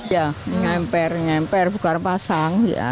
ya ngempere ngempere buka pasang